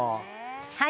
はい。